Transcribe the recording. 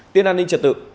tiên an ninh trật tự